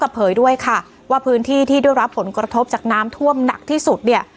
เผยด้วยค่ะว่าพื้นที่ที่ได้รับผลกระทบจากน้ำท่วมหนักที่สุดเนี่ย